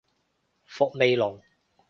伏味濃